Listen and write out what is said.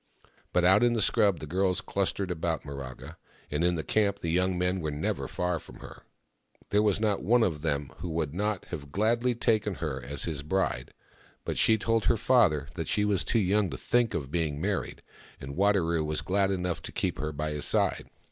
But out in the scrub the girls clustered about Miraga, and in the camp the young men were never far from her. There was not one of them who would not have gladly taken her as his bride, but she told her father that she was too young to think of being married, and Wadaro was glad enough to keep her by his side.